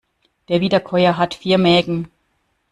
Der Wiederkäuer hat vier Mägen.